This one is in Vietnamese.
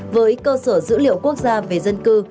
với cơ sở dữ liệu quốc gia về dân cư